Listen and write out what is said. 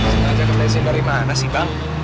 sengaja kempesin dari mana sih bang